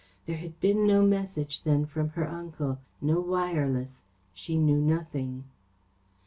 There had been no message then from her uncle no wireless. She knew nothing.